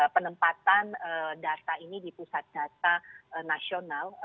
penempatan data ini di pusat data nasional